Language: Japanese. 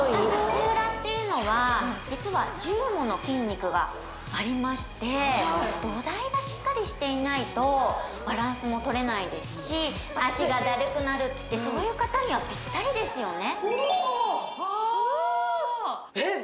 足裏っていうのは実は１０もの筋肉がありまして土台がしっかりしていないとバランスも取れないですし脚がだるくなるってそういう方にはピッタリですよねおっあっえっ